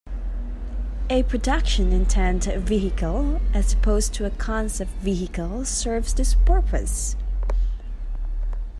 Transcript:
A "production-intent" vehicle, as opposed to a concept vehicle, serves this purpose.